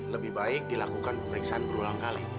lebih baik dilakukan pemeriksaan berulang kali